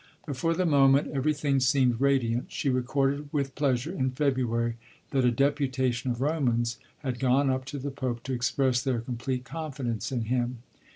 But for the moment everything seemed radiant. She recorded with pleasure in February that a deputation of Romans had gone up to the Pope to express their "complete confidence in him."